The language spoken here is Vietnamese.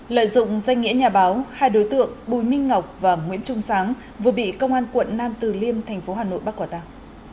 lợi dụng danh nghĩa nhà báo hai đối tượng bùi minh ngọc và nguyễn trung sáng vừa bị công an quận nam từ liêm thành phố hà nội bắt quả tàng